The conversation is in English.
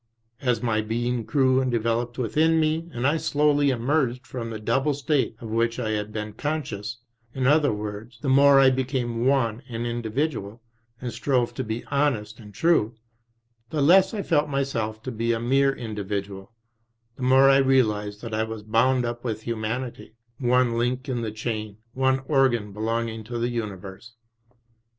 As my being grew and developed within me and I slowly emerged from the double state of which I had been conscious, in other words, the more I became one and individual and strove to be honest and true, the less I felt myself to be a mere individual, the more I realised that I was bound up with humanity, one link in the chain, one organ belonging to the Universe.